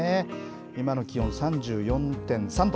今の気温３４．３度。